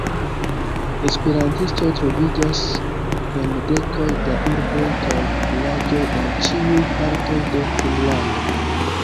Esperantistoj troviĝas en dekoj da urboj kaj vilaĝoj en ĉiuj partoj de Finnlando.